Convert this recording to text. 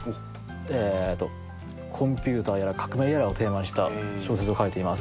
コンピューターやら革命やらをテーマにした小説を書いています。